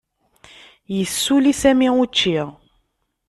Yessuli Sami učči.